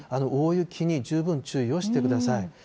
大雪に十分注意をしてください。